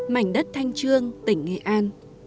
mảnh đất thanh trương tỉnh nghệ an